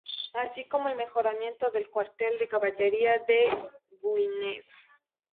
Así como el mejoramiento del Cuartel de Caballería de Güines.